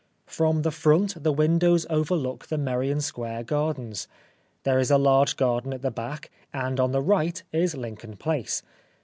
From the front the windows overlook the Merrion Square Gardens ; there is a large garden at the back, and on the right is Lincoln Place.